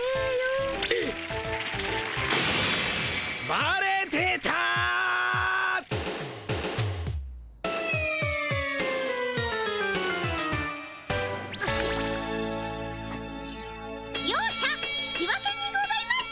バレてた！両者引き分けにございます。